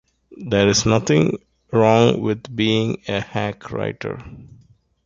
There is nothing wrong with being a hack writer.